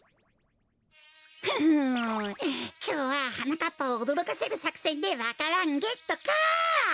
ふふんきょうははなかっぱをおどろかせるさくせんでわか蘭ゲットか！